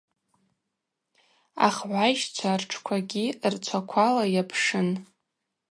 Ахгӏвайщчва ртшквагьи рчваквала йапшын.